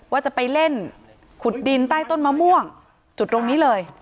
ว่าจะไปเล่นขุดดินใต้ต้นมะม่วงจุดตรงนี้เลย